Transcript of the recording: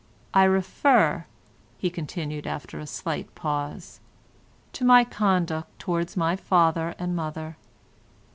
I refer," he continued after a slight pause, "to my conduct towards my father and mother.